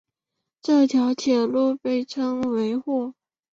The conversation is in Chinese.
这条铁路被称为或。